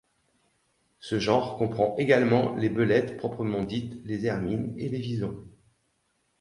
Ce genre comprend également les belettes proprement dites, les hermines et les visons.